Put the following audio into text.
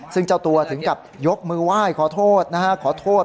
ซึ่งเจ้าตัวถึงกับยกมือไหว้ขอโทษนะฮะขอโทษ